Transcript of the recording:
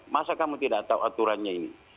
masa kamu tidak tahu aturannya ini